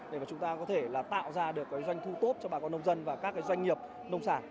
để mà chúng ta có thể là tạo ra được doanh thu tốt cho bà con nông dân và các doanh nghiệp nông sản